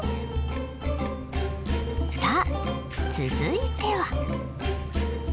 さあ続いては。